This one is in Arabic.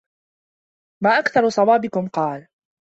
مَا أَكْثَرُ صَوَابِكُمْ ؟ قَالَ